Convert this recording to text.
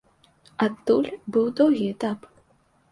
Адтуль быў доўгі этап.